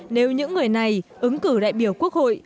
nếu những người này ứng cử đại biểu quốc hội